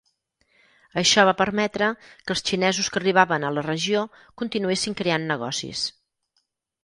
Això va permetre que els xinesos que arribaven a la regió continuessin creant negocis.